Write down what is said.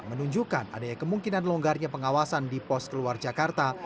menunjukkan adanya kemungkinan longgarnya pengawasan di pos keluar jakarta